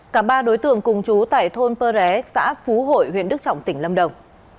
cả ba đối tượng cùng chú tại thôn pơ ré xã phú hội huyện đức trọng tỉnh lâm đồng